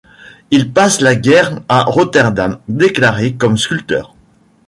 Il passe la guerre à Rotterdam déclaré comme sculpteur.